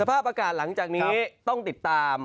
ภาพอากาศหลังจากนี้ต้องติดตาม